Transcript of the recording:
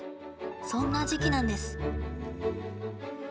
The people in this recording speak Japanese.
そんな時期なんです。